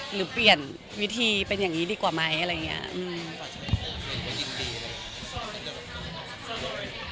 หรือเปลี่ยนวิธีเป็นอย่างนี้ดีกว่าไหมอะไรอย่างนี้